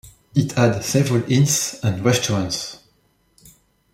It had several inns and restaurants.